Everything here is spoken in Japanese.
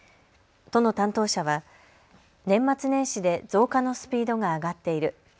都の担当者は年末年始で増加のスピードが上がっている。